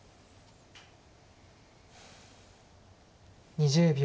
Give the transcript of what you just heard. ２０秒。